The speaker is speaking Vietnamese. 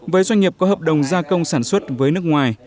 với doanh nghiệp có hợp đồng gia công sản xuất với nước ngoài